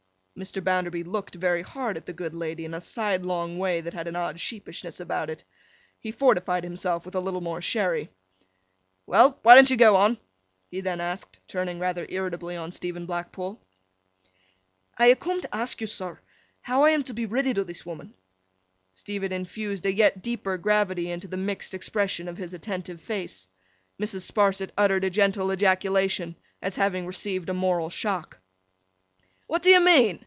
Mr. Bounderby looked very hard at the good lady in a side long way that had an odd sheepishness about it. He fortified himself with a little more sherry. 'Well? Why don't you go on?' he then asked, turning rather irritably on Stephen Blackpool. 'I ha' coom to ask yo, sir, how I am to be ridded o' this woman.' Stephen infused a yet deeper gravity into the mixed expression of his attentive face. Mrs. Sparsit uttered a gentle ejaculation, as having received a moral shock. 'What do you mean?